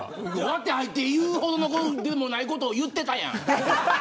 割って入って言うほどのことでもないこと言ってたやん。